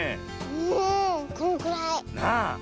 うんこのくらい。なあ。